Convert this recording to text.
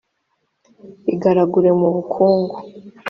igaragure mu mukungugu